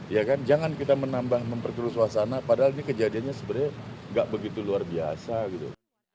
ya kan jangan kita menambah memperkeruh suasana padahal ini kejadiannya sebenarnya nggak begitu luar biasa gitu